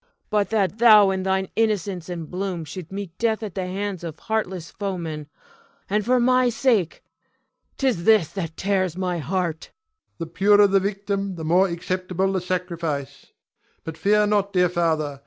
Cleon. But that thou in thine innocence and bloom should meet death at the hands of heartless foemen; and for my sake! 'Tis this that tears my heart. Ion. The purer the victim the more acceptable the sacrifice. But fear not, dear father.